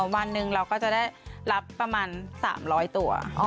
วันหนึ่งเราก็จะได้รับประมาณ๓๐๐ตัว